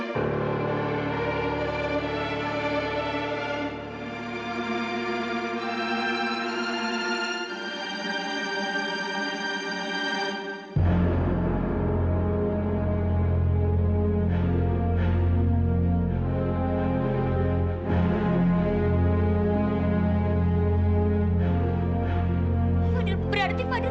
fadil berarti fadil